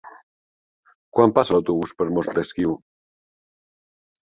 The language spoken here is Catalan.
Quan passa l'autobús per Montesquiu?